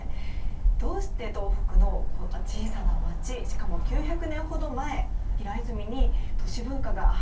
どうして東北のこんな小さな町しかも９００年ほど前平泉に都市文化が花開いたんでしょうか？